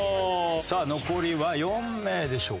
さあ残りは４名でしょうか。